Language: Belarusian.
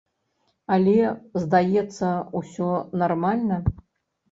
Але, здаецца, усё нармальна.